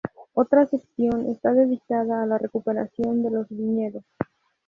Otra sección está dedicada a la recuperación de los viñedos.